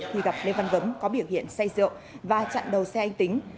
khi gặp lê văn gấm có biểu hiện say rượu và chặn đầu xe anh tính